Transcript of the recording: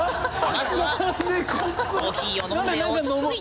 まずはコーヒーを飲んで落ち着いて。